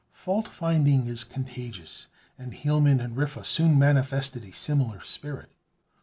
Fault finding is contagious; and Hielman and Riffe soon manifested a similar spirit.